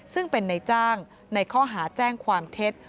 ซึ่งเป็นในจ้างในข้อหาแจ้งความเท็จ